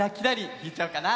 ひいちゃおうかな！